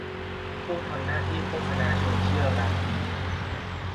ผู้ทำหน้าที่โฆษณาชวนเชื่อรัฐนี้